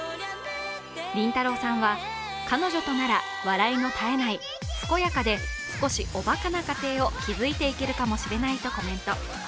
りんたろーさんは彼女となら笑いの絶えない健やかで少しおばかな家庭を築いていけるかもしれないとコメント。